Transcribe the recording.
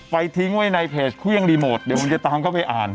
ทิ้งไว้ในเพจเครื่องรีโมทเดี๋ยวผมจะตามเข้าไปอ่าน